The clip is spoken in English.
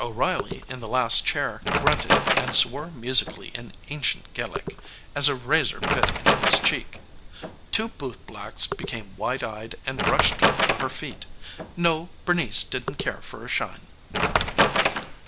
O'Reilly in the last chair grunted and swore musically in ancient Gaelic as a razor bit into his cheek. Two bootblacks became wide eyed and rushed for her feet. No, Bernice didn't care for a shine.